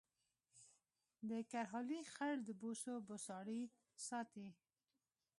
د کرهالې خړ د بوسو بوساړې ساتي